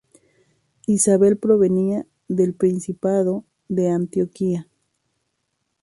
Isabel provenía del principado de Antioquía.